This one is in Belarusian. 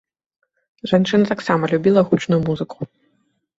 Жанчына таксама любіла гучную музыку.